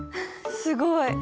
すごい。